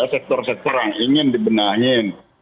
sektor sektor yang ingin dibenahin